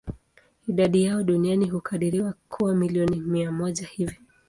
Idadi yao duniani hukadiriwa kuwa milioni mia moja hivi.